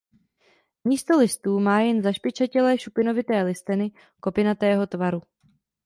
Místo listů má jen zašpičatělé šupinovité listeny kopinatého tvaru.